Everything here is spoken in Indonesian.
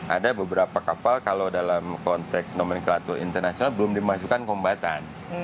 ada beberapa kapal kalau dalam konteks nomenklatur internasional belum dimasukkan kombatan